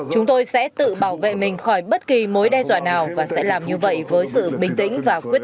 chúng tôi sẽ tự bảo vệ mình khỏi bất kỳ mối đe dọa nào và sẽ làm như vậy với sự bình tĩnh